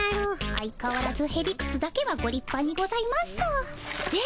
相かわらずへりくつだけはごりっぱにございます。